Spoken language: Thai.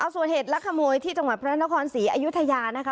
ส่วนเหตุลักขโมยที่จังหวัดพระนครศรีอยุธยานะคะ